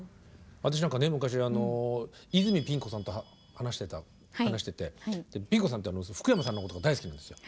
私なんかね昔泉ピン子さんと話しててピン子さんって福山さんのことが大好きなんですよ。